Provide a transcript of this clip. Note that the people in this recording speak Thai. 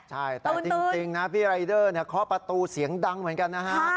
ใช่แต่จริงนะพี่รายเดอร์เคาะประตูเสียงดังเหมือนกันนะฮะ